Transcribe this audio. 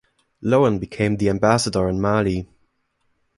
Lowen became the ambassador in Mali.